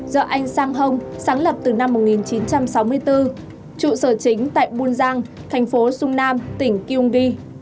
do anh sang hong sáng lập từ năm một nghìn chín trăm sáu mươi bốn trụ sở chính tại bunjang thành phố sungnam tỉnh kyunggi